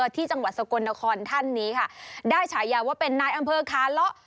ที่จังหวัดสกลนครท่านนี้ค่ะได้ฉายาว่าเป็นนายอำเภอขาเลาะ